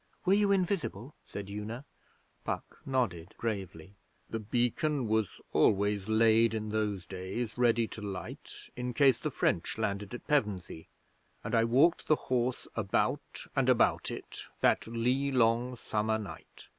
'Were you invisible?' said Una. Puck nodded, gravely. 'The Beacon was always laid in those days ready to light, in case the French landed at Pevensey; and I walked the horse about and about it that lee long summer night.